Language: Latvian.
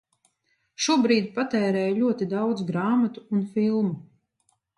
Šobrīd patērēju ļoti daudz grāmatu un filmu.